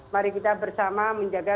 mari kita bersama menjaga